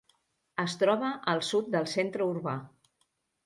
Es troba al sud del centre urbà.